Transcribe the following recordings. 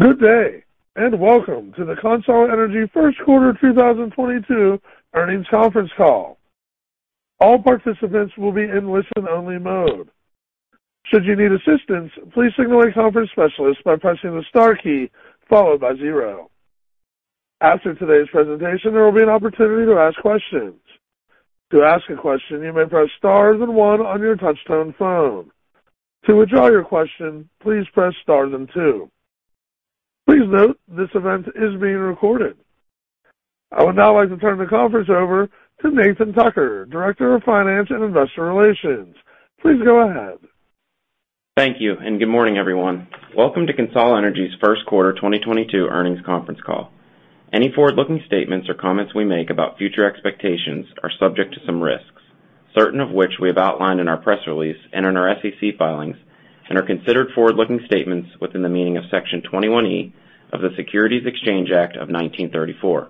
Good day, and welcome to the CONSOL Energy first quarter 2022 earnings conference call. All participants will be in listen-only mode. Should you need assistance, please signal a conference specialist by pressing the star key followed by zero. After today's presentation, there will be an opportunity to ask questions. To ask a question, you may press star then one on your touch-tone phone. To withdraw your question, please press star then two. Please note this event is being recorded. I would now like to turn the conference over to Nathan Tucker, Director of Finance and Investor Relations. Please go ahead. Thank you, and good morning, everyone. Welcome to CONSOL Energy's first quarter 2022 earnings conference call. Any forward-looking statements or comments we make about future expectations are subject to some risks, certain of which we have outlined in our press release and in our SEC filings and are considered forward-looking statements within the meaning of Section 21E of the Securities Exchange Act of 1934.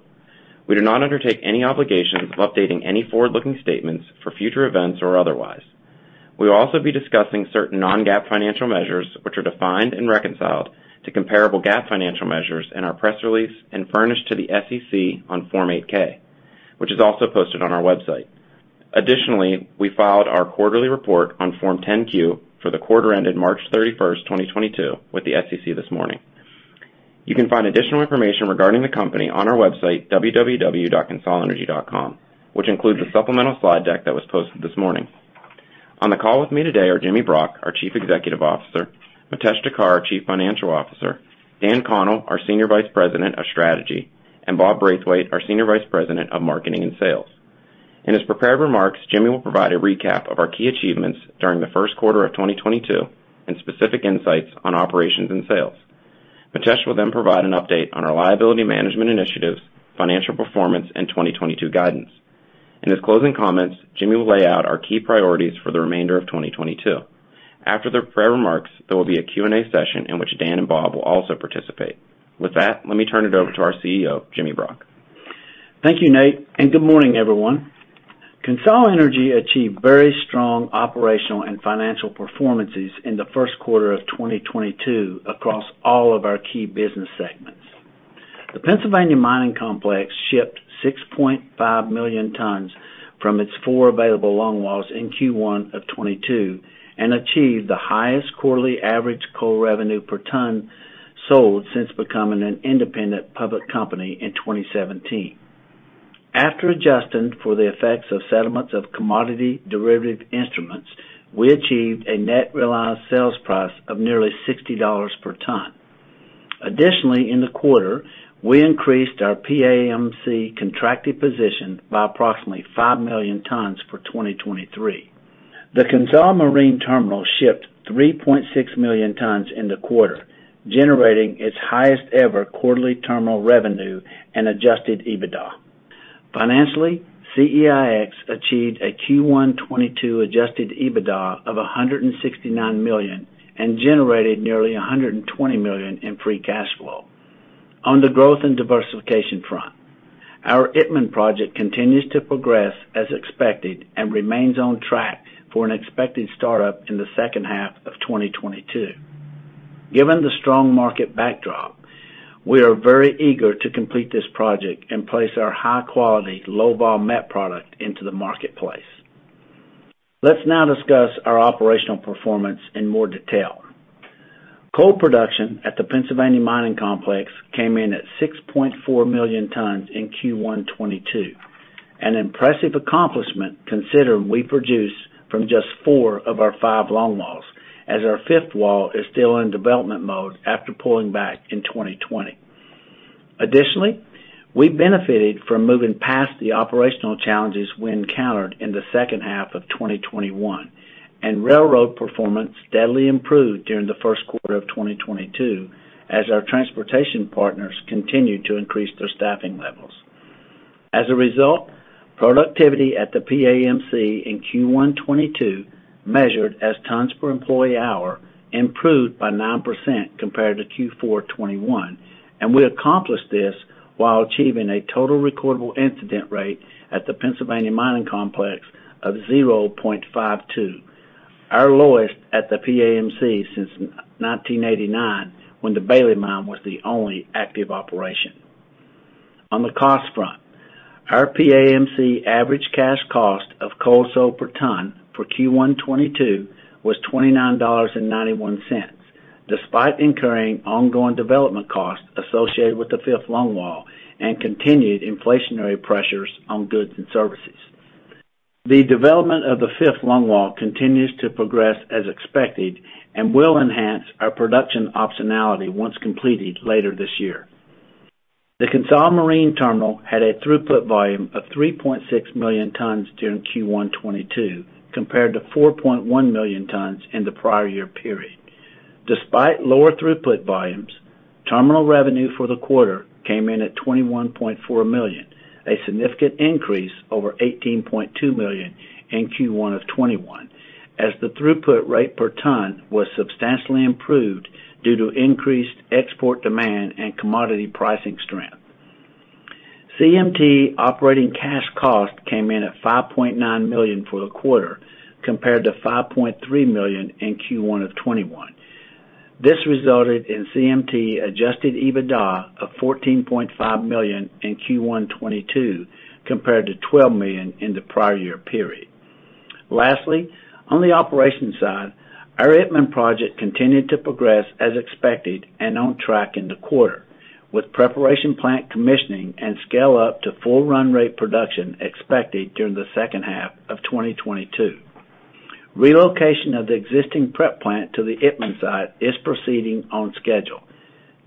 We do not undertake any obligation of updating any forward-looking statements for future events or otherwise. We will also be discussing certain non-GAAP financial measures, which are defined and reconciled to comparable GAAP financial measures in our press release and furnished to the SEC on Form 8-K, which is also posted on our website. Additionally, we filed our quarterly report on Form 10-Q for the quarter ended March 31, 2022 with the SEC this morning. You can find additional information regarding the company on our website, www.consolenergy.com, which includes a supplemental slide deck that was posted this morning. On the call with me today are Jimmy Brock, our Chief Executive Officer, Mitesh Thakkar, our Chief Financial Officer, Dan Connell, our Senior Vice President of Strategy, and Bob Braithwaite, our Senior Vice President of Marketing and Sales. In his prepared remarks, Jimmy will provide a recap of our key achievements during the first quarter of 2022 and specific insights on operations and sales. Mitesh will then provide an update on our liability management initiatives, financial performance, and 2022 guidance. In his closing comments, Jimmy will lay out our key priorities for the remainder of 2022. After their prepared remarks, there will be a Q&A session in which Dan and Bob will also participate. With that, let me turn it over to our CEO, Jimmy Brock. Thank you, Nate, and good morning, everyone. CONSOL Energy achieved very strong operational and financial performances in the first quarter of 2022 across all of our key business segments. The Pennsylvania Mining Complex shipped 6.5 million tons from its four available long walls in Q1 of 2022 and achieved the highest quarterly average coal revenue per ton sold since becoming an independent public company in 2017. After adjusting for the effects of settlements of commodity derivative instruments, we achieved a net realized sales price of nearly $60 per ton. Additionally, in the quarter, we increased our PAMC contracted position by approximately 5 million tons for 2023. The CONSOL Marine Terminal shipped 3.6 million tons in the quarter, generating its highest ever quarterly terminal revenue and adjusted EBITDA. Financially, CEIX achieved a Q1 2022 adjusted EBITDA of $169 million and generated nearly $120 million in free cash flow. On the growth and diversification front, our Itmann project continues to progress as expected and remains on track for an expected startup in the second half of 2022. Given the strong market backdrop, we are very eager to complete this project and place our high-quality, low-vol met product into the marketplace. Let's now discuss our operational performance in more detail. Coal production at the Pennsylvania Mining Complex came in at 6.4 million tons in Q1 2022, an impressive accomplishment considering we produce from just four of our five long walls, as our fifth wall is still in development mode after pulling back in 2020. Additionally, we benefited from moving past the operational challenges we encountered in the second half of 2021, and railroad performance steadily improved during the first quarter of 2022 as our transportation partners continued to increase their staffing levels. As a result, productivity at the PAMC in Q1 2022, measured as tons per employee hour, improved by 9% compared to Q4 2021, and we accomplished this while achieving a total recordable incident rate at the Pennsylvania Mining Complex of 0.52, our lowest at the PAMC since 1989 when the Bailey Mine was the only active operation. On the cost front, our PAMC average cash cost of coal sold per ton for Q1 2022 was $29.91, despite incurring ongoing development costs associated with the fifth long wall and continued inflationary pressures on goods and services. The development of the fifth long wall continues to progress as expected and will enhance our production optionality once completed later this year. The CONSOL Marine Terminal had a throughput volume of 3.6 million tons during Q1 2022, compared to 4.1 million tons in the prior year period. Despite lower throughput volumes, terminal revenue for the quarter came in at $21.4 million, a significant increase over $18.2 million in Q1 2021, as the throughput rate per ton was substantially improved due to increased export demand and commodity pricing strength. CMT operating cash cost came in at $5.9 million for the quarter, compared to $5.3 million in Q1 2021. This resulted in CMT adjusted EBITDA of $14.5 million in Q1 2022, compared to $12 million in the prior year period. Lastly, on the operations side, our Itmann project continued to progress as expected and on track in the quarter, with preparation plant commissioning and scale up to full run rate production expected during the second half of 2022. Relocation of the existing prep plant to the Itmann site is proceeding on schedule.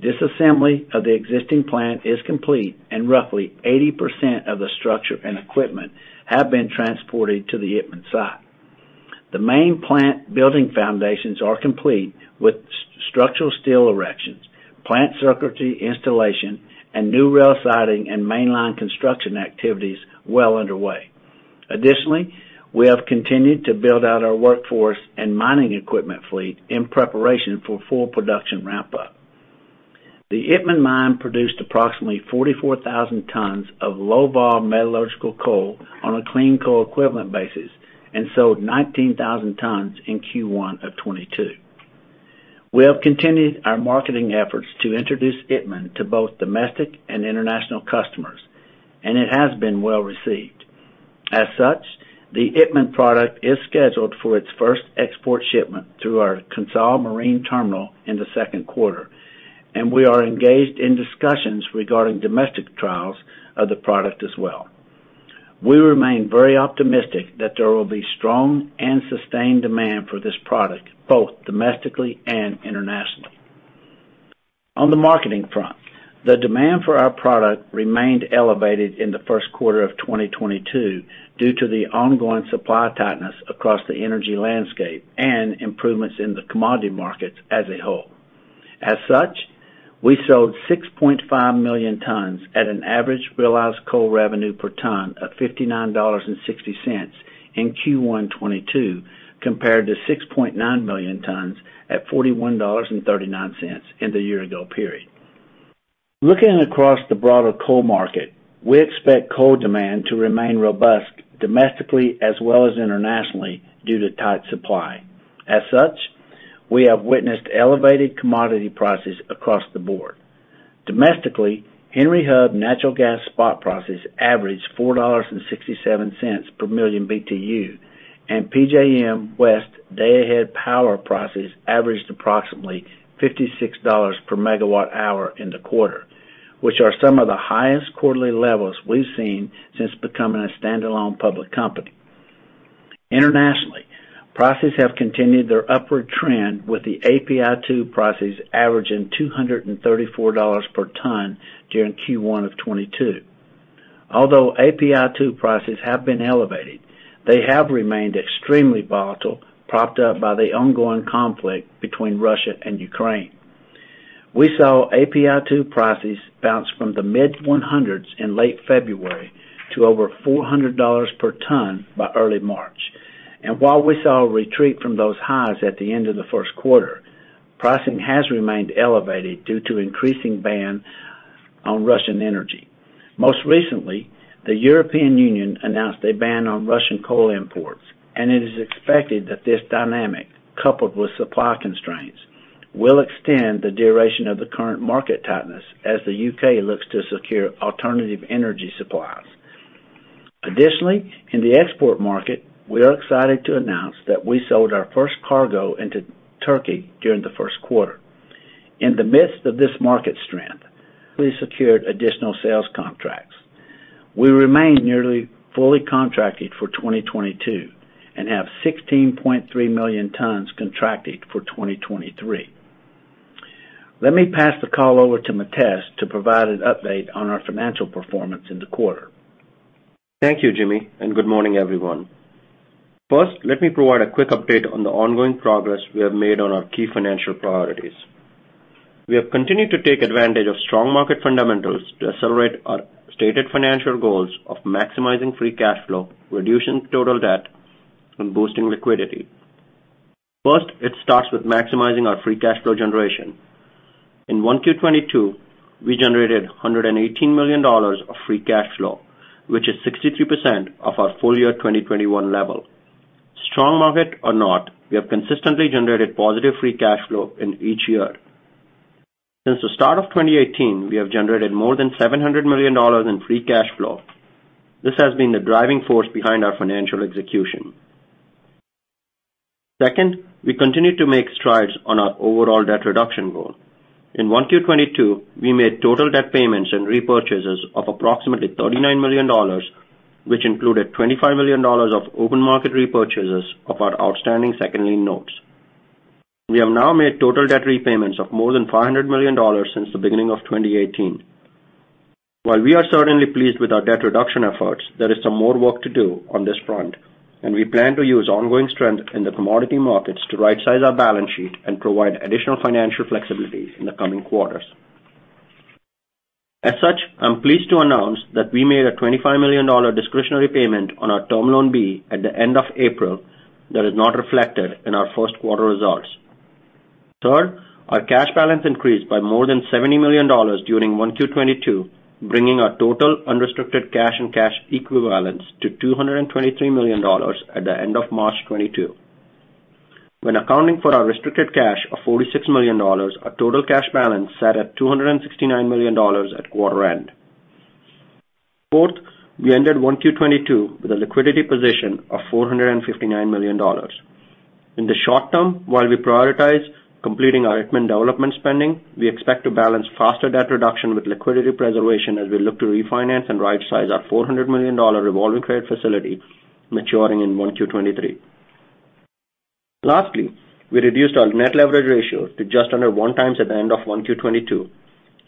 Disassembly of the existing plant is complete and roughly 80% of the structure and equipment have been transported to the Itmann site. The main plant building foundations are complete with structural steel erections, plant circuitry installation, and new rail siding and mainline construction activities well underway. Additionally, we have continued to build out our workforce and mining equipment fleet in preparation for full production ramp-up. The Itmann mine produced approximately 44,000 tons of low-vol metallurgical coal on a clean coal equivalent basis and sold 19,000 tons in Q1 of 2022. We have continued our marketing efforts to introduce Itmann to both domestic and international customers, and it has been well-received. As such, the Itmann product is scheduled for its first export shipment through our CONSOL Marine Terminal in the second quarter, and we are engaged in discussions regarding domestic trials of the product as well. We remain very optimistic that there will be strong and sustained demand for this product, both domestically and internationally. On the marketing front, the demand for our product remained elevated in the first quarter of 2022 due to the ongoing supply tightness across the energy landscape and improvements in the commodity markets as a whole. As such, we sold 6.5 million tons at an average realized coal revenue per ton of $59.60 in Q1 2022, compared to 6.9 million tons at $41.39 in the year ago period. Looking across the broader coal market, we expect coal demand to remain robust domestically as well as internationally due to tight supply. As such, we have witnessed elevated commodity prices across the board. Domestically, Henry Hub natural gas spot prices averaged $4.67 per million BTU, and PJM West day-ahead power prices averaged approximately $56 per megawatt hour in the quarter, which are some of the highest quarterly levels we've seen since becoming a standalone public company. Internationally, prices have continued their upward trend, with the API2 prices averaging $234 per ton during Q1 of 2022. Although API2 prices have been elevated, they have remained extremely volatile, propped up by the ongoing conflict between Russia and Ukraine. We saw API2 prices bounce from the mid-100s in late February to over $400 per ton by early March. While we saw a retreat from those highs at the end of the first quarter, pricing has remained elevated due to increasing ban on Russian energy. Most recently, the European Union announced a ban on Russian coal imports, and it is expected that this dynamic, coupled with supply constraints, will extend the duration of the current market tightness as the UK looks to secure alternative energy supplies. Additionally, in the export market, we are excited to announce that we sold our first cargo into Turkey during the first quarter. In the midst of this market strength, we secured additional sales contracts. We remain nearly fully contracted for 2022 and have 16.3 million tons contracted for 2023. Let me pass the call over to Mitesh Thakkar to provide an update on our financial performance in the quarter. Thank you, Jimmy, and good morning, everyone. First, let me provide a quick update on the ongoing progress we have made on our key financial priorities. We have continued to take advantage of strong market fundamentals to accelerate our stated financial goals of maximizing free cash flow, reducing total debt, and boosting liquidity. First, it starts with maximizing our free cash flow generation. In 1Q22, we generated $118 million of free cash flow, which is 63% of our full year 2021 level. Strong market or not, we have consistently generated positive free cash flow in each year. Since the start of 2018, we have generated more than $700 million in free cash flow. This has been the driving force behind our financial execution. Second, we continue to make strides on our overall debt reduction goal. In 1Q22, we made total debt payments and repurchases of approximately $39 million, which included $25 million of open market repurchases of our outstanding second lien notes. We have now made total debt repayments of more than $500 million since the beginning of 2018. While we are certainly pleased with our debt reduction efforts, there is some more work to do on this front, and we plan to use ongoing strength in the commodity markets to rightsize our balance sheet and provide additional financial flexibility in the coming quarters. As such, I'm pleased to announce that we made a $25 million discretionary payment on our Term Loan B at the end of April that is not reflected in our first quarter results. Third, our cash balance increased by more than $70 million during 1Q22, bringing our total unrestricted cash and cash equivalents to $223 million at the end of March 2022. When accounting for our restricted cash of $46 million, our total cash balance sat at $269 million at quarter end. Fourth, we ended 1Q22 with a liquidity position of $459 million. In the short term, while we prioritize completing our Itmann development spending, we expect to balance faster debt reduction with liquidity preservation as we look to refinance and right size our $400 million revolving credit facility maturing in 1Q23. Lastly, we reduced our net leverage ratio to just under 1x at the end of 1Q22.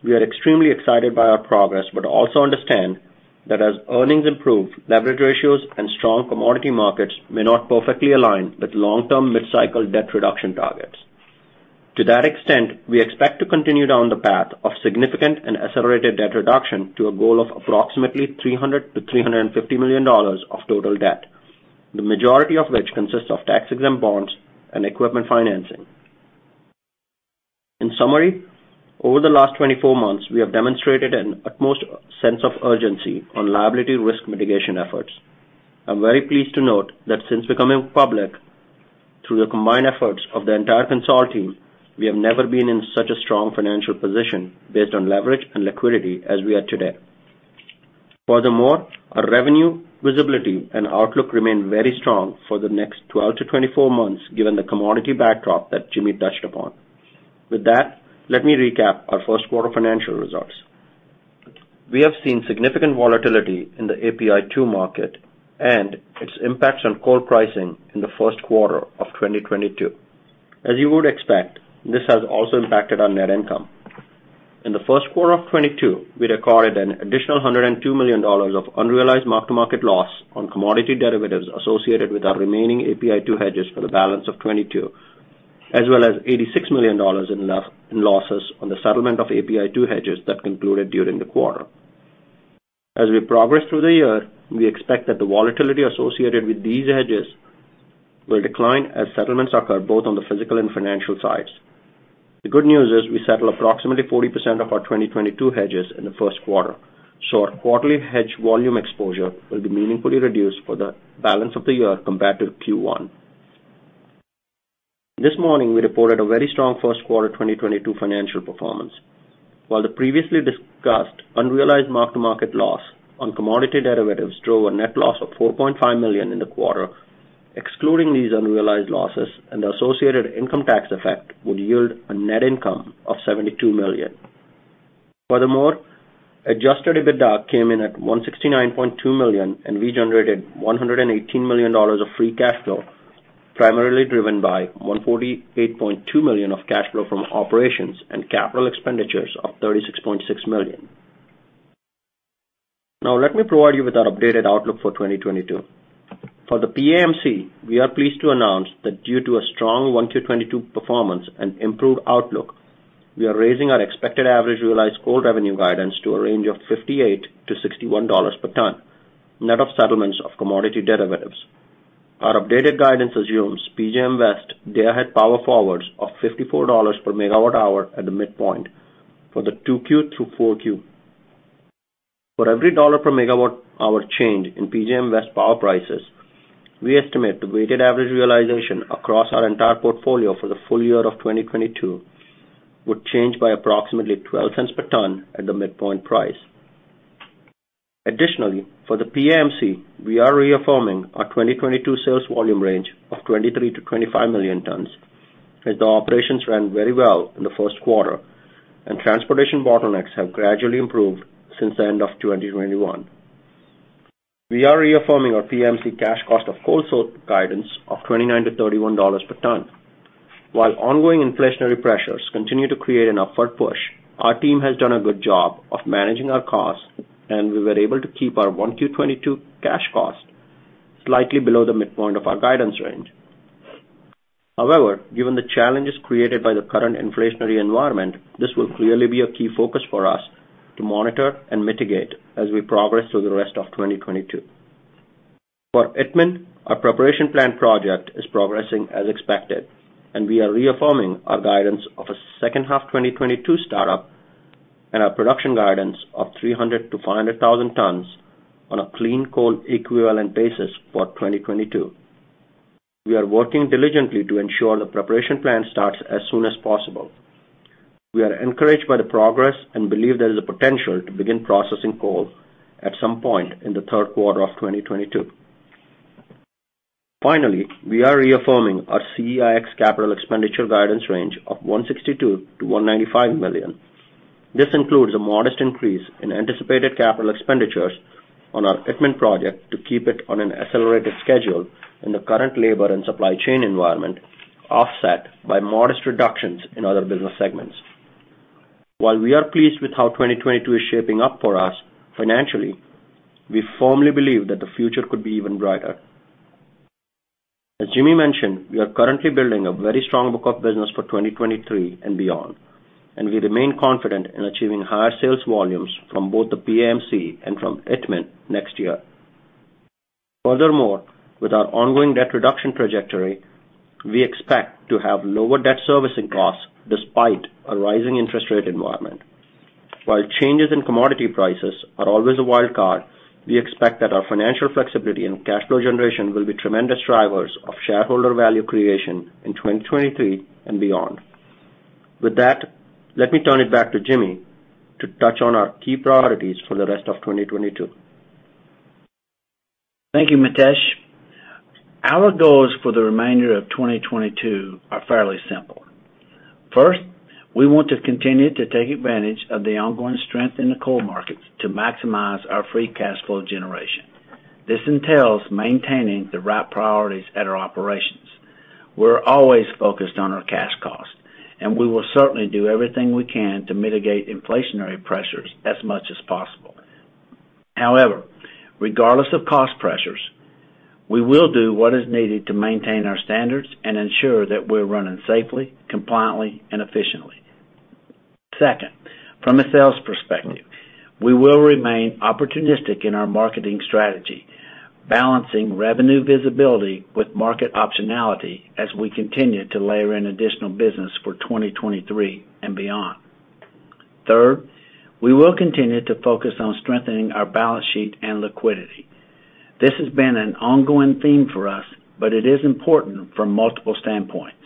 We are extremely excited by our progress, but also understand that as earnings improve, leverage ratios and strong commodity markets may not perfectly align with long-term mid-cycle debt reduction targets. To that extent, we expect to continue down the path of significant and accelerated debt reduction to a goal of approximately $300-$350 million of total debt, the majority of which consists of tax-exempt bonds and equipment financing. In summary, over the last 24 months, we have demonstrated an utmost sense of urgency on liability risk mitigation efforts. I'm very pleased to note that since becoming public, through the combined efforts of the entire CONSOL team, we have never been in such a strong financial position based on leverage and liquidity as we are today. Furthermore, our revenue visibility and outlook remain very strong for the next 12-24 months given the commodity backdrop that Jimmy touched upon. With that, let me recap our first quarter financial results. We have seen significant volatility in the API2 market and its impacts on coal pricing in the first quarter of 2022. As you would expect, this has also impacted our net income. In the first quarter of 2022, we recorded an additional $102 million of unrealized mark-to-market loss on commodity derivatives associated with our remaining API2 hedges for the balance of 2022, as well as $86 million in losses on the settlement of API2 hedges that concluded during the quarter. As we progress through the year, we expect that the volatility associated with these hedges will decline as settlements occur both on the physical and financial sides. The good news is we settled approximately 40% of our 2022 hedges in the first quarter, so our quarterly hedge volume exposure will be meaningfully reduced for the balance of the year compared to Q1. This morning we reported a very strong first quarter 2022 financial performance. While the previously discussed unrealized mark-to-market loss on commodity derivatives drove a net loss of $4.5 million in the quarter, excluding these unrealized losses and the associated income tax effect would yield a net income of $72 million. Furthermore, adjusted EBITDA came in at $169.2 million, and we generated $118 million of free cash flow, primarily driven by $148.2 million of cash flow from operations and capital expenditures of $36.6 million. Now let me provide you with our updated outlook for 2022. For the PAMC, we are pleased to announce that due to a strong 1Q to 2Q performance and improved outlook, we are raising our expected average realized coal revenue guidance to a range of $58-$61 per ton, net of settlements of commodity derivatives. Our updated guidance assumes PJM West day-ahead power forwards of $54 per MWh at the midpoint for 2Q through 4Q. For every $1 per MWh change in PJM West power prices, we estimate the weighted average realization across our entire portfolio for the full year of 2022 would change by approximately $0.12 per ton at the midpoint price. Additionally, for the PAMC, we are reaffirming our 2022 sales volume range of 23-25 million tons as the operations ran very well in the first quarter and transportation bottlenecks have gradually improved since the end of 2021. We are reaffirming our PAMC cash cost of coal sold guidance of $29-$31 per ton. While ongoing inflationary pressures continue to create an upward push, our team has done a good job of managing our costs, and we were able to keep our 1Q22 cash cost slightly below the midpoint of our guidance range. However, given the challenges created by the current inflationary environment, this will clearly be a key focus for us to monitor and mitigate as we progress through the rest of 2022. For Itmann, our preparation plan project is progressing as expected, and we are reaffirming our guidance of a second half 2022 startup and our production guidance of 300-500,000 tons on a clean coal equivalent basis for 2022. We are working diligently to ensure the preparation plan starts as soon as possible. We are encouraged by the progress and believe there is a potential to begin processing coal at some point in the third quarter of 2022. Finally, we are reaffirming our CEIX capital expenditure guidance range of $162 million-$195 million. This includes a modest increase in anticipated capital expenditures on our Itmann project to keep it on an accelerated schedule in the current labor and supply chain environment, offset by modest reductions in other business segments. While we are pleased with how 2022 is shaping up for us financially, we firmly believe that the future could be even brighter. As Jimmy mentioned, we are currently building a very strong book of business for 2023 and beyond, and we remain confident in achieving higher sales volumes from both the PAMC and from Itmann next year. Furthermore, with our ongoing debt reduction trajectory, we expect to have lower debt servicing costs despite a rising interest rate environment. While changes in commodity prices are always a wild card, we expect that our financial flexibility and cash flow generation will be tremendous drivers of shareholder value creation in 2023 and beyond. With that, let me turn it back to Jimmy to touch on our key priorities for the rest of 2022. Thank you, Mitesh. Our goals for the remainder of 2022 are fairly simple. First, we want to continue to take advantage of the ongoing strength in the coal markets to maximize our free cash flow generation. This entails maintaining the right priorities at our operations. We're always focused on our cash cost, and we will certainly do everything we can to mitigate inflationary pressures as much as possible. However, regardless of cost pressures, we will do what is needed to maintain our standards and ensure that we're running safely, compliantly, and efficiently. Second, from a sales perspective, we will remain opportunistic in our marketing strategy, balancing revenue visibility with market optionality as we continue to layer in additional business for 2023 and beyond. Third, we will continue to focus on strengthening our balance sheet and liquidity. This has been an ongoing theme for us, but it is important from multiple standpoints.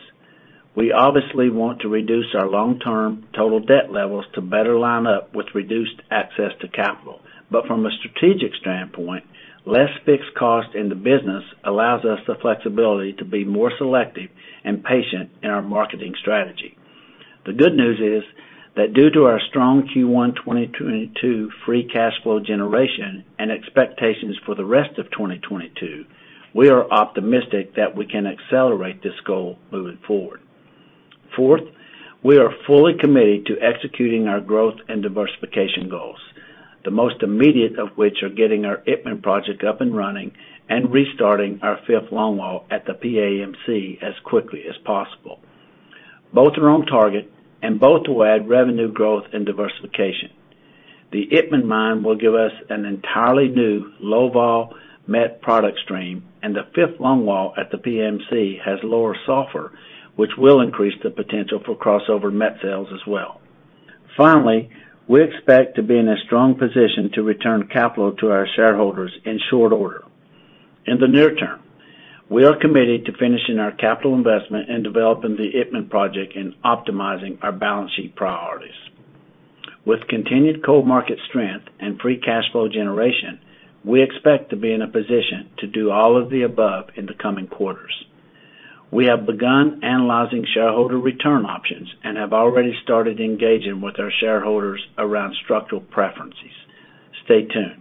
We obviously want to reduce our long-term total debt levels to better line up with reduced access to capital. From a strategic standpoint, less fixed cost in the business allows us the flexibility to be more selective and patient in our marketing strategy. The good news is that due to our strong Q1 2022 free cash flow generation and expectations for the rest of 2022, we are optimistic that we can accelerate this goal moving forward. Fourth, we are fully committed to executing our growth and diversification goals, the most immediate of which are getting our Itmann project up and running and restarting our fifth longwall at the PAMC as quickly as possible. Both are on target and both to add revenue growth and diversification. The Itmann mine will give us an entirely new, low-vol met product stream, and the fifth longwall at the PAMC has lower sulfur, which will increase the potential for crossover met sales as well. Finally, we expect to be in a strong position to return capital to our shareholders in short order. In the near term, we are committed to finishing our capital investment and developing the Itmann project in optimizing our balance sheet priorities. With continued coal market strength and free cash flow generation, we expect to be in a position to do all of the above in the coming quarters. We have begun analyzing shareholder return options and have already started engaging with our shareholders around structural preferences. Stay tuned.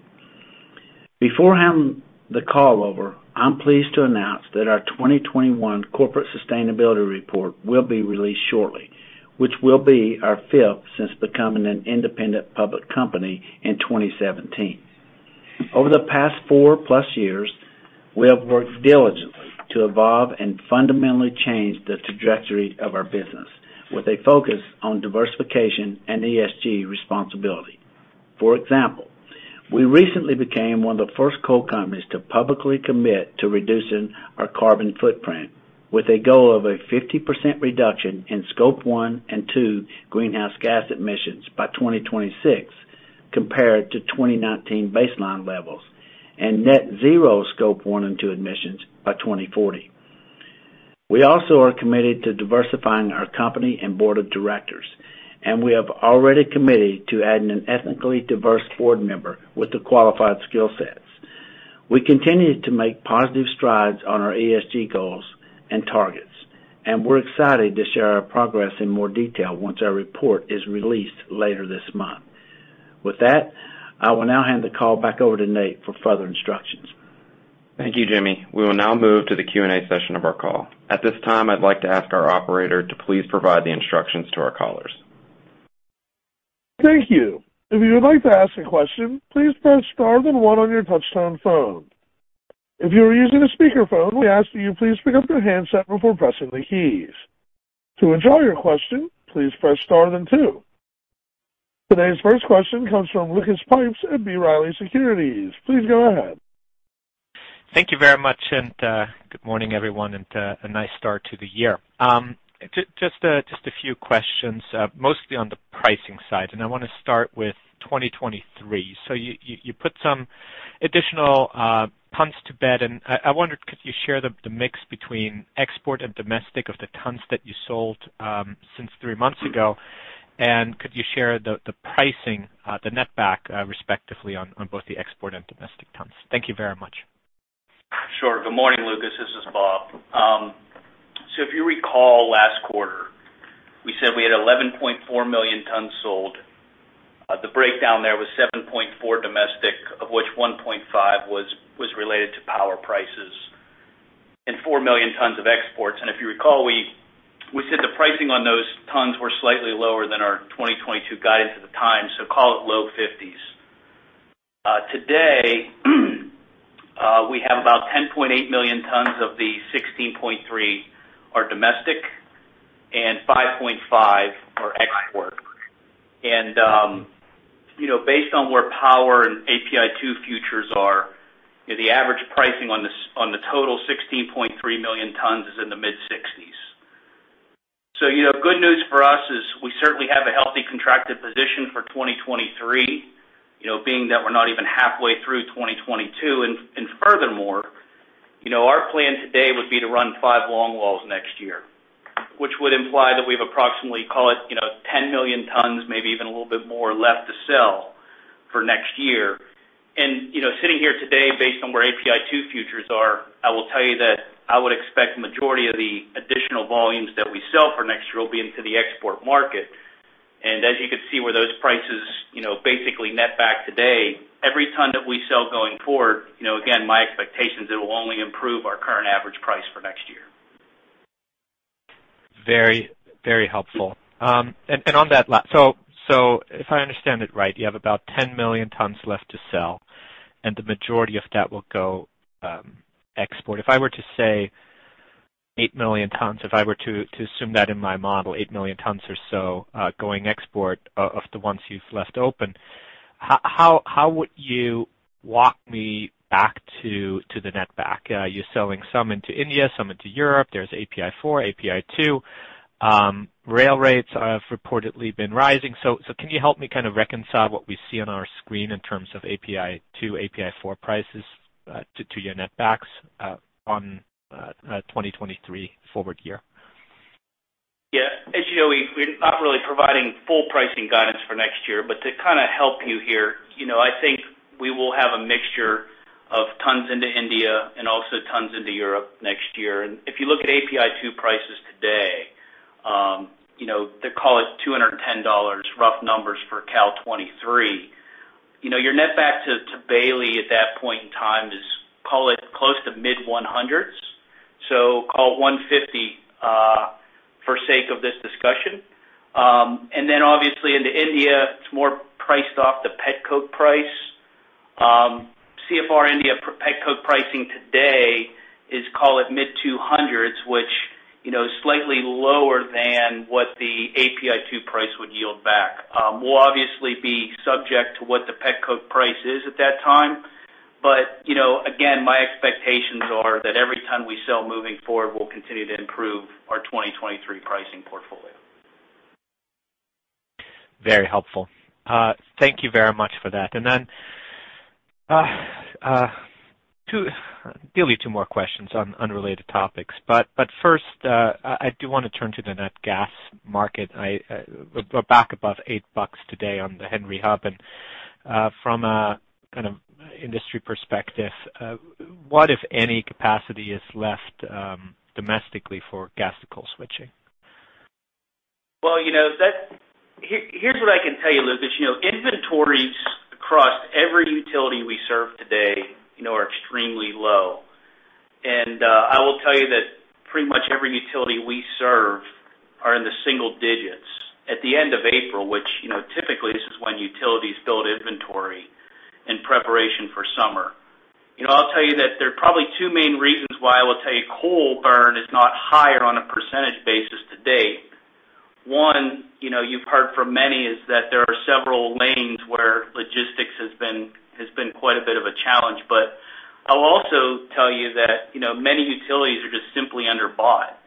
Before handing the call over, I'm pleased to announce that our 2021 corporate sustainability report will be released shortly, which will be our fifth since becoming an independent public company in 2017. Over the past 4+ years, we have worked diligently to evolve and fundamentally change the trajectory of our business with a focus on diversification and ESG responsibility. For example, we recently became one of the first coal companies to publicly commit to reducing our carbon footprint with a goal of a 50% reduction in Scope 1 and 2 greenhouse gas emissions by 2026 compared to 2019 baseline levels and net zero Scope 1 and 2 emissions by 2040. We also are committed to diversifying our company and board of directors, and we have already committed to adding an ethnically diverse board member with the qualified skill sets. We continue to make positive strides on our ESG goals and targets, and we're excited to share our progress in more detail once our report is released later this month. With that, I will now hand the call back over to Nate for further instructions. Thank you, Jimmy. We will now move to the Q&A session of our call. At this time, I'd like to ask our operator to please provide the instructions to our callers. Thank you. If you would like to ask a question, please press star then one on your touch-tone phone. If you are using a speaker phone, we ask that you please pick up your handset before pressing the keys. To withdraw your question, please press star then two. Today's first question comes from Lucas Pipes at B. Riley Securities. Please go ahead. Thank you very much and good morning, everyone, and a nice start to the year. Just a few questions, mostly on the pricing side, and I wanna start with 2023. You put some additional tons to bed, and I wondered, could you share the mix between export and domestic of the tons that you sold since three months ago? Could you share the pricing, the netback, respectively on both the export and domestic tons? Thank you very much. Sure. Good morning, Lucas. This is Bob. If you recall last quarter, we said we had 11.4 million tons sold. The breakdown there was 7.4 domestic, of which 1.5 was related to power prices and 4 million tons of exports. If you recall, we said the pricing on those tons were slightly lower than our 2022 guidance at the time, so call it low fifties. Today, we have about 10.8 million tons of the 16.3 are domestic and 5.5 are export. You know, based on where power and API2 futures are, you know, the average pricing on the total 16.3 million tons is in the mid-$60s. You know, good news for us is we certainly have a healthy contracted position for 2023, you know, being that we're not even halfway through 2022. Furthermore, you know, our plan today would be to run 5 long walls next year, which would imply that we've approximately call it, you know, 10 million tons, maybe even a little bit more left to sell for next year. You know, sitting here today based on where API2 futures are, I will tell you that I would expect majority of the additional volumes that we sell for next year will be into the export market. As you can see where those prices, you know, basically net back today, every ton that we sell going forward, you know, again, my expectation is it will only improve our current average price for next year. Very, very helpful. If I understand it right, you have about 10 million tons left to sell, and the majority of that will go export. If I were to say 8 million tons, if I were to assume that in my model, 8 million tons or so, going export of the ones you've left open, how would you walk me back to the net back? You're selling some into India, some into Europe. There's API4, API2. Rail rates have reportedly been rising. Can you help me kind of reconcile what we see on our screen in terms of API2, API4 prices to your net backs on 2023 forward year? Yeah. As you know, we're not really providing full pricing guidance for next year, but to kinda help you here, you know, I think we will have a mixture of tons into India and also tons into Europe next year. If you look at API2 prices today, you know, they call it $210, rough numbers for Cal 2023. You know, your net back to Bailey at that point in time is, call it, close to mid-100s. Call it 150, for sake of this discussion. And then obviously into India, it's more priced off the petcoke price. CFR India petcoke pricing today is, call it, mid-200s, which, you know, is slightly lower than what the API2 price would yield back. We'll obviously be subject to what the petcoke price is at that time. You know, again, my expectations are that every time we sell moving forward, we'll continue to improve our 2023 pricing portfolio. Very helpful. Thank you very much for that. Two more questions on unrelated topics. First, I do wanna turn to the natural gas market. We're back above $8 today on the Henry Hub. From a kind of industry perspective, what, if any, capacity is left domestically for gas to coal switching? Well, you know, here's what I can tell you, Lucas. You know, inventories across every utility we serve today, you know, are extremely low. I will tell you that pretty much every utility we serve are in the single digits at the end of April, which, you know, typically this is when utilities build inventory in preparation for summer. You know, I'll tell you that there are probably two main reasons why I will tell you coal burn is not higher on a percentage basis to date. One, you know, you've heard from many is that there are several lanes where logistics has been quite a bit of a challenge. I'll also tell you that, you know, many utilities are just simply under bought.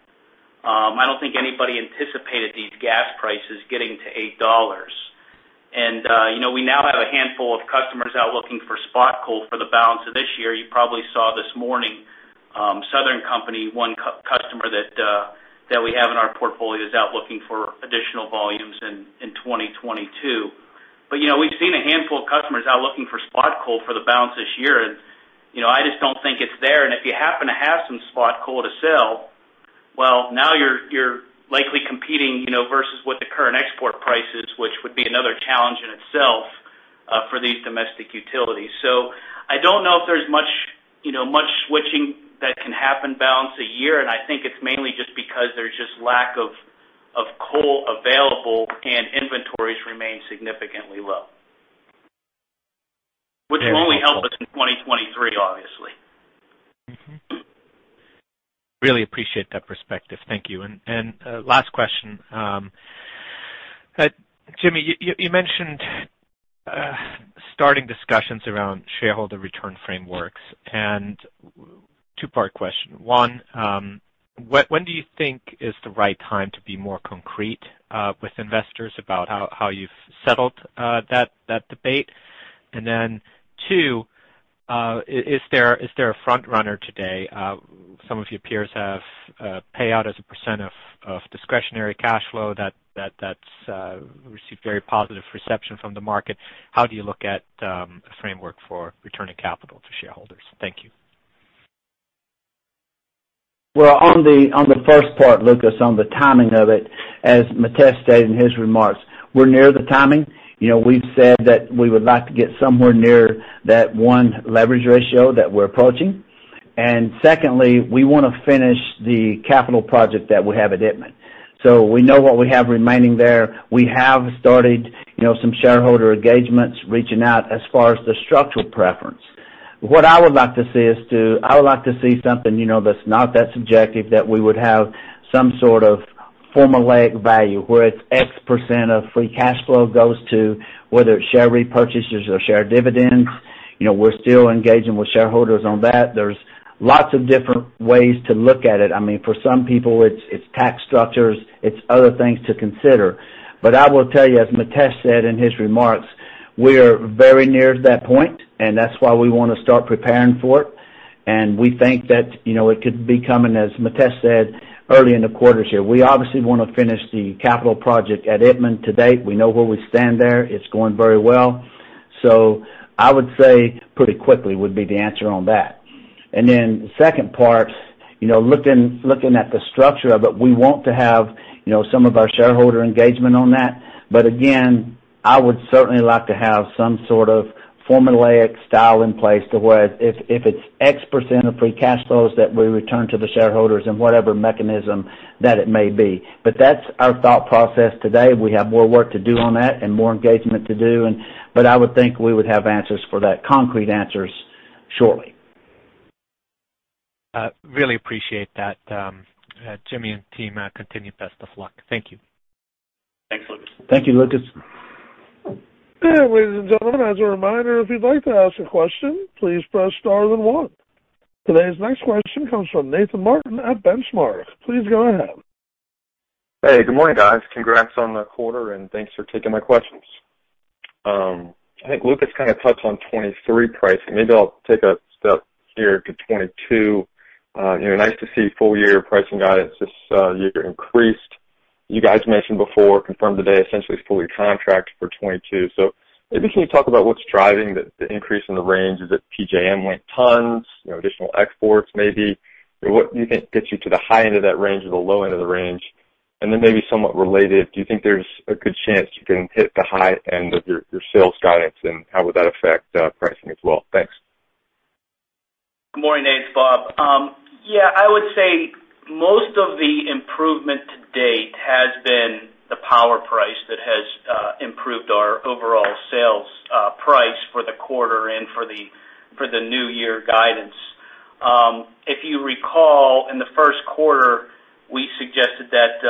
I don't think anybody anticipated these gas prices getting to $8. You know, we now have a handful of customers out looking for spot coal for the balance of this year. You probably saw this morning, Southern Company, one customer that we have in our portfolio, is out looking for additional volumes in 2022. You know, we've seen a handful of customers out looking for spot coal for the balance of this year. You know, I just don't think it's there. If you happen to have some spot coal to sell, well, now you're likely competing, you know, versus what the current export price is, which would be another challenge in itself for these domestic utilities. I don't know if there's much, you know, switching that can happen for the balance of the year. I think it's mainly just because there's just lack of coal available, and inventories remain significantly low. Very helpful. Which will only help us in 2023, obviously. Mm-hmm. Really appreciate that perspective. Thank you. Last question. Jimmy, you mentioned starting discussions around shareholder return frameworks. A two-part question. One, when do you think is the right time to be more concrete with investors about how you've settled that debate? Then two, is there a front runner today? Some of your peers have payout as a % of discretionary cash flow that's received very positive reception from the market. How do you look at a framework for returning capital to shareholders? Thank you. Well, on the first part, Lucas, on the timing of it, as Mitesh stated in his remarks, we're near the timing. You know, we've said that we would like to get somewhere near that 1 leverage ratio that we're approaching. Secondly, we wanna finish the capital project that we have at Itmann. We know what we have remaining there. We have started, you know, some shareholder engagements, reaching out as far as the structural preference. What I would like to see is something, you know, that's not that subjective, that we would have some sort of formulaic value where it's X% of free cash flow goes to whether it's share repurchases or share dividends. You know, we're still engaging with shareholders on that. There's lots of different ways to look at it. I mean, for some people, it's tax structures, it's other things to consider. I will tell you, as Mitesh Thakkar said in his remarks, we are very near to that point, and that's why we wanna start preparing for it. We think that, you know, it could be coming, as Mitesh Thakkar said, early in the quarter this year. We obviously wanna finish the capital project at Edmond to date. We know where we stand there. It's going very well. I would say pretty quickly would be the answer on that. Then the second part, you know, looking at the structure of it, we want to have, you know, some of our shareholder engagement on that. Again, I would certainly like to have some sort of formulaic style in place to where if it's X% of free cash flows that we return to the shareholders in whatever mechanism that it may be. That's our thought process today. We have more work to do on that and more engagement to do, but I would think we would have answers for that, concrete answers shortly. Really appreciate that, Jimmy and team. Continue. Best of luck. Thank you. Thanks, Lucas. Thank you, Lucas. Ladies and gentlemen, as a reminder, if you'd like to ask a question, please press star then one. Today's next question comes from Nathan Martin at Benchmark. Please go ahead. Hey, good morning, guys. Congrats on the quarter, and thanks for taking my questions. I think Lucas kinda touched on 2023 pricing. Maybe I'll take a step here to 2022. You know, nice to see full year pricing guidance this year increased. You guys mentioned before, confirmed today, essentially it's fully contracted for 2022. So maybe can you talk about what's driving the increase in the range? Is it PJM West tons, you know, additional exports maybe? What do you think gets you to the high end of that range or the low end of the range? Maybe somewhat related, do you think there's a good chance you can hit the high end of your sales guidance, and how would that affect pricing as well? Thanks. Good morning, Nate. It's Bob. Yeah, I would say most of the improvement to date has been the power price that has improved our overall sales price for the quarter and for the new year guidance. If you recall, in the first quarter, we suggested that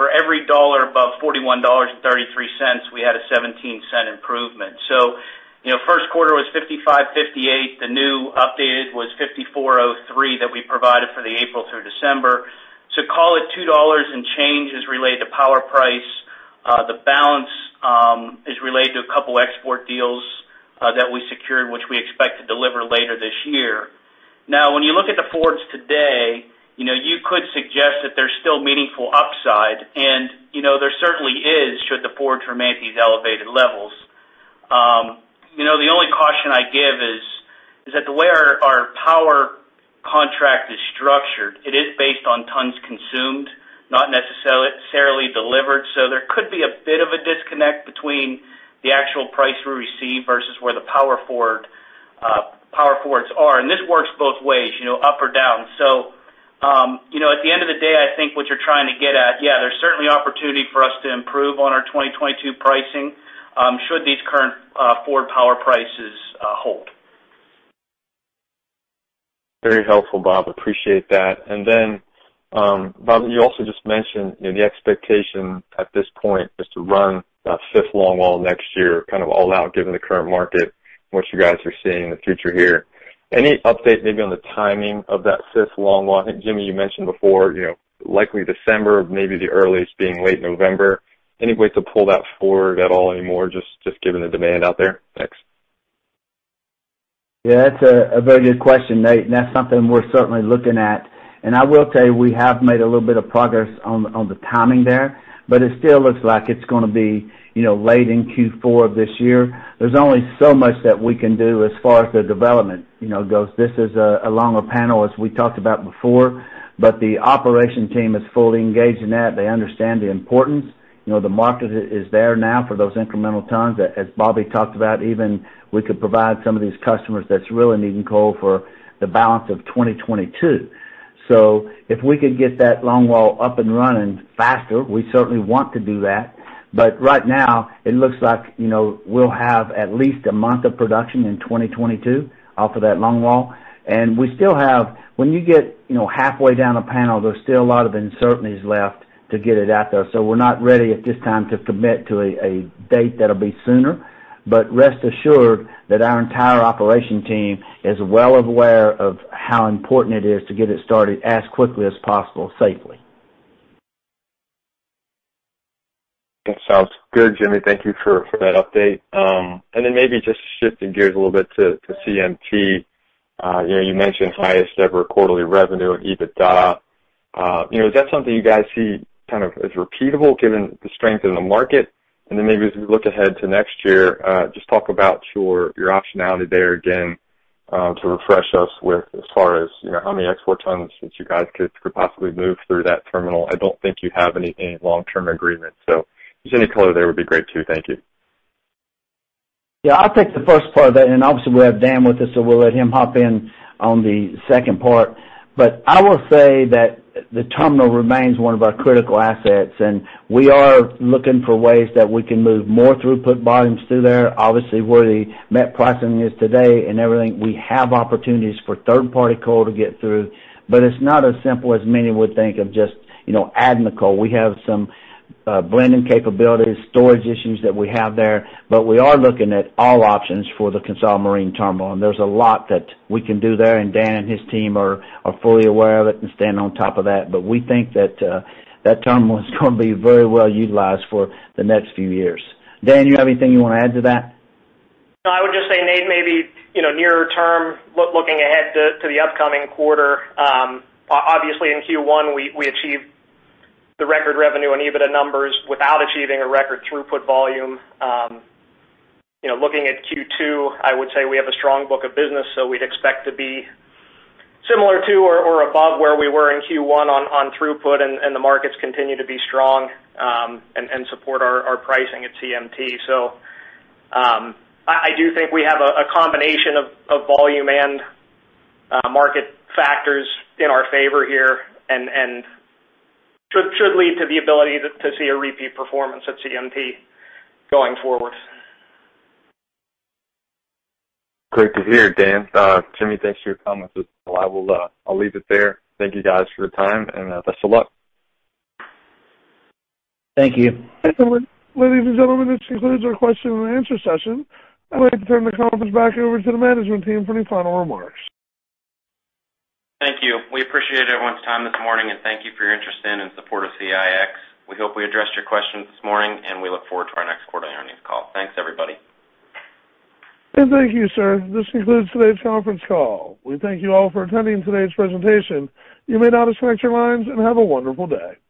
for every dollar above $41.33, we had a 17-cent improvement. You know, first quarter was $55.58. The new updated was $54.03 that we provided for the April through December. Call it $2 and change is related to power price. The balance is related to a couple export deals that we secured, which we expect to deliver later this year. Now when you look at the forwards today, you know, you could suggest that there's still meaningful upside, and, you know, there certainly is should the forwards remain at these elevated levels. You know, the only caution I give is that the way our power contract is structured, it is based on tons consumed, not necessarily delivered. There could be a bit of a disconnect between the actual price we receive versus where the power forwards are. This works both ways, you know, up or down. You know, at the end of the day, I think what you're trying to get at, yeah, there's certainly opportunity for us to improve on our 2022 pricing, should these current forward power prices hold. Very helpful, Bob. Appreciate that. Bob, you also just mentioned, you know, the expectation at this point is to run that fifth long wall next year, kind of all out given the current market and what you guys are seeing in the future here. Any update maybe on the timing of that fifth long wall? I think, Jimmy, you mentioned before, you know, likely December, maybe the earliest being late November. Any way to pull that forward at all anymore, just given the demand out there? Thanks. Yeah, that's a very good question, Nate, and that's something we're certainly looking at. I will tell you, we have made a little bit of progress on the timing there, but it still looks like it's gonna be, you know, late in Q4 of this year. There's only so much that we can do as far as the development, you know, goes. This is a longer panel as we talked about before, but the operation team is fully engaged in that. They understand the importance. You know, the market is there now for those incremental tons. As Bob talked about, even we could provide some of these customers that's really needing coal for the balance of 2022. If we could get that long wall up and running faster, we certainly want to do that. Right now it looks like, you know, we'll have at least a month of production in 2022 off of that long wall. When you get, you know, halfway down a panel, there's still a lot of uncertainties left to get it out there. We're not ready at this time to commit to a date that'll be sooner. Rest assured that our entire operation team is well aware of how important it is to get it started as quickly as possible, safely. That sounds good, Jimmy. Thank you for that update. Maybe just shifting gears a little bit to CMT. You know, you mentioned highest ever quarterly revenue and EBITDA. You know, is that something you guys see kind of as repeatable given the strength in the market? Maybe as we look ahead to next year, just talk about your optionality there again, to refresh us with as far as, you know, how many export tons that you guys could possibly move through that terminal. I don't think you have any long-term agreements. Just any color there would be great, too. Thank you. Yeah, I'll take the first part of that, and obviously we have Dan with us, so we'll let him hop in on the second part. I will say that the terminal remains one of our critical assets, and we are looking for ways that we can move more throughput volumes through there. Obviously, where the met pricing is today and everything, we have opportunities for third-party coal to get through. It's not as simple as many would think of just, you know, adding the coal. We have some blending capabilities, storage issues that we have there. We are looking at all options for the CONSOL Marine Terminal, and there's a lot that we can do there, and Dan and his team are fully aware of it and staying on top of that. We think that terminal is gonna be very well utilized for the next few years. Dan, you have anything you wanna add to that? No, I would just say, Nate, maybe, you know, nearer term, looking ahead to the upcoming quarter, obviously in Q1, we achieved the record revenue and EBITDA numbers without achieving a record throughput volume. You know, looking at Q2, I would say we have a strong book of business, so we'd expect to be similar to or above where we were in Q1 on throughput, and the markets continue to be strong, and support our pricing at CMT. I do think we have a combination of volume and market factors in our favor here and should lead to the ability to see a repeat performance at CMT going forward. Great to hear, Dan. Jimmy, thanks for your comments as well. I'll leave it there. Thank you guys for your time and best of luck. Thank you. Ladies and gentlemen, this concludes our question and answer session. I'd like to turn the conference back over to the management team for any final remarks. Thank you. We appreciate everyone's time this morning, and thank you for your interest in and support of CEIX. We hope we addressed your questions this morning, and we look forward to our next quarter earnings call. Thanks, everybody. Thank you, sir. This concludes today's conference call. We thank you all for attending today's presentation. You may now disconnect your lines and have a wonderful day.